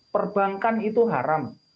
perbankan itu haram